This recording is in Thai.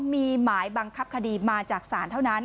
มีหมายบังคับคดีมาจากศาลเท่านั้น